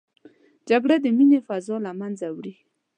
جګړه د مینې فضا له منځه وړي